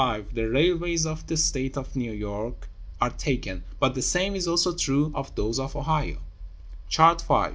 V. The railways of the State of New York are taken, but the same is also true of those of Ohio: Chart V.